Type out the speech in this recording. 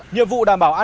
nhiệm vụ đảm bảo an ninh